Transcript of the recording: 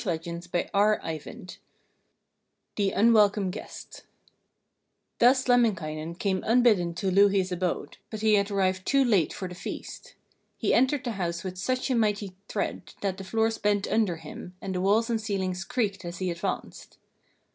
THE UNWELCOME GUEST Thus Lemminkainen came unbidden to Louhi's abode, but he had arrived too late for the feast. He entered the house with such a mighty tread that the floors bent under him and the walls and ceilings creaked as he advanced.